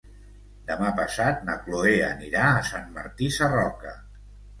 Demà passat na Chloé anirà a Sant Martí Sarroca.